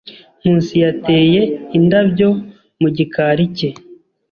Nkusi yateye indabyo mu gikari cye.